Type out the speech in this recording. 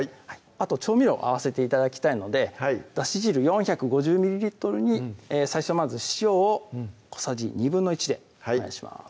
あと調味料合わせて頂きたいのでだし汁４５０ｍｌに最初まず塩を小さじ１／２でお願いします